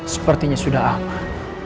sepertinya sudah aman